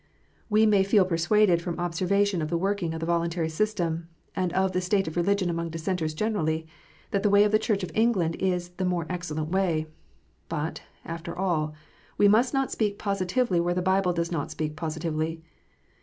We may feel persuaded, from observation of the working of the voluntary system, and of the state of religion among Dissenters generally, that the way of the Church of England is the " more excellent way." But, after all, we must not speak positively where the Bible does not speak positively.